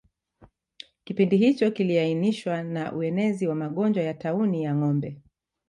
Kipindi hicho kiliainishwa na uenezi wa magonjwa ya tauni ya ngombe